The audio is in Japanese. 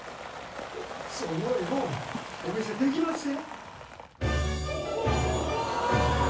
ごっつおもろいもんお見せできまっせ。